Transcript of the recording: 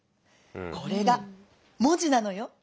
これが文字なのよ」。